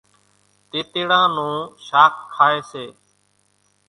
تيتيڙان نون شاک کائيَ سي۔